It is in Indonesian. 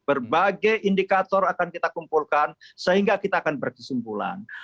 berbagai indikator akan kita kumpulkan sehingga kita akan berkesimpulan